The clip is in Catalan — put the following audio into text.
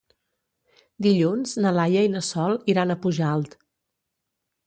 Dilluns na Laia i na Sol iran a Pujalt.